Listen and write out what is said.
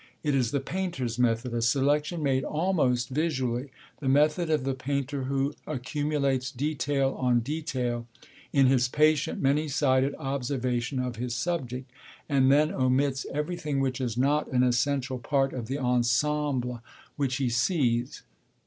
It is the painter's method, a selection made almost visually; the method of the painter who accumulates detail on detail, in his patient, many sided observation of his subject, and then omits everything which is not an essential part of the ensemble which he sees.